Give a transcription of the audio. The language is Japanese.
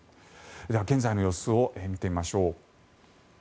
では現在の様子を見てみましょう。